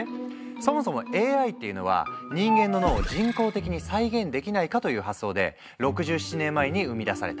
そもそもＡＩっていうのは人間の脳を人工的に再現できないかという発想で６７年前に生み出された。